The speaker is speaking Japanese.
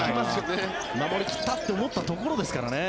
守り切ったと思ったところですからね。